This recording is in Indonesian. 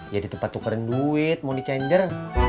ya di tempat tukerin duit money changer